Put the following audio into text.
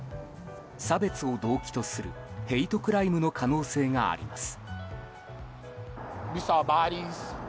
差別を動機とするヘイトクライムの可能性があります。